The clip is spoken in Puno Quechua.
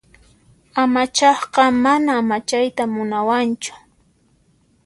Amachaqqa mana amachayta munawanchu.